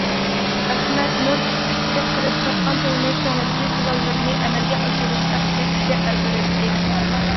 ئەخمەت نۇر تىككۈچىلىك قىلىپ تاپقان پۇلىنى كۆڭلىدىكى پىلانلىرىنى ئەمەلگە ئاشۇرۇشقا ئىشلىتىشكە ئالدىرايتتى.